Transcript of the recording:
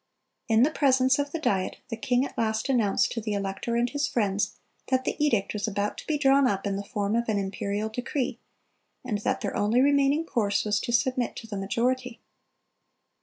(293) In the presence of the Diet, the king at last announced to the elector and his friends that the edict "was about to be drawn up in the form of an imperial decree," and that "their only remaining course was to submit to the majority."